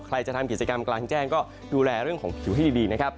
ใครจะทำกิจกรรมกลางแจ้งก็ดูแลเรื่องของผิวให้ดีนะครับ